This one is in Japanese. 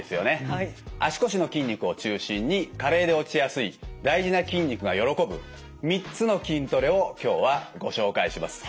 足腰の筋肉を中心に加齢で落ちやすい大事な筋肉が喜ぶ３つの筋トレを今日はご紹介します。